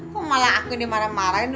kok malah aku dimarah marahin